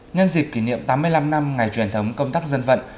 nhân dịp kỷ niệm tám mươi năm năm ngày truyền thống công tác dân vận